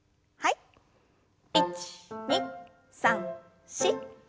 １２３４。